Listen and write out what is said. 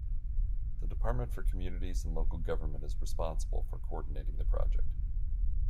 The Department for Communities and Local Government is responsible for co-ordinating the project.